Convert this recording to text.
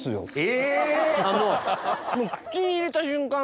口に入れた瞬間